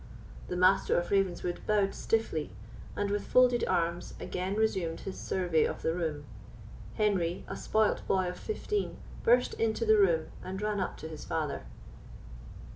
The Master of Ravenswood bowed stiffly, and, with folded arms, again resumed his survey of the room. Henry, a spoilt boy of fifteen, burst into the room, and ran up to his father.